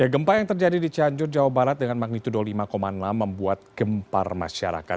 gempa yang terjadi di cianjur jawa barat dengan magnitudo lima enam membuat gempar masyarakat